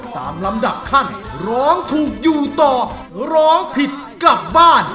ตามลำดับขั้นร้องถูกอยู่ต่อร้องผิดกลับบ้าน